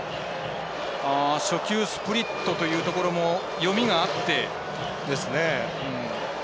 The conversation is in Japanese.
初球、スプリットというところの読みがあって。